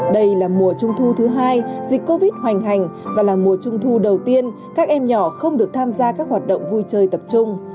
đây là mùa trung thu thứ hai dịch covid hoành hành và là mùa trung thu đầu tiên các em nhỏ không được tham gia các hoạt động vui chơi tập trung